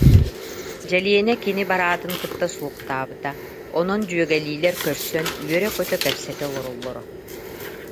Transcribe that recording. Дьэлиэнэ кини бараатын кытта суохтаабыта, онон дьүөгэлиилэр көрсөн үөрэ-көтө кэпсэтэ олороллоро